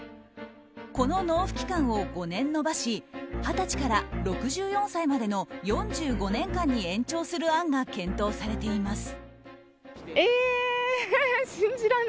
この納付期間を５年延ばし二十歳から６４歳までの４５年間に延長する案が検討されています。